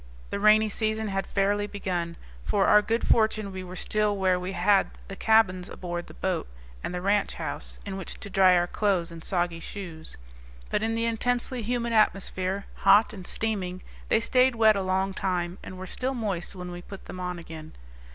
The rainy season had fairly begun. For our good fortune we were still where we had the cabins aboard the boat, and the ranch house, in which to dry our clothes and soggy shoes; but in the intensely humid atmosphere, hot and steaming, they stayed wet a long time, and were still moist when we put them on again.